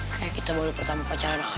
kayak kita baru pertama pacaran lah